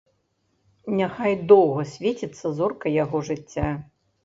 Няхай доўга свеціцца зорка яго жыцця!